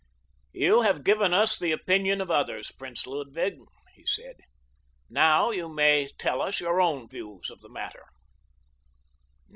"You have given us the opinion of others, Prince Ludwig," he said. "Now you may tell us your own views of the matter."